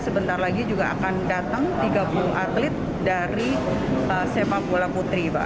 sebentar lagi juga akan datang tiga puluh atlet dari sepak bola putri